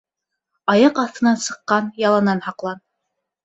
Аяҡ аҫтынан сыҡҡан яланан һаҡлан.